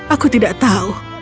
aku tidak tahu